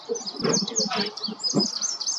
Nilipita mitihani yangu yote